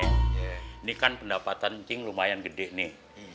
ini kan pendapatan cing lumayan gede nih